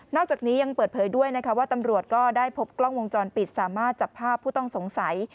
จากนี้ยังเปิดเผยด้วยนะคะว่าตำรวจก็ได้พบกล้องวงจรปิดสามารถจับภาพผู้ต้องสงสัย